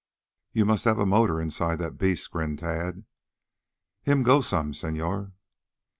"You must have a motor inside that beast," grinned Tad. "Him go some, señor?"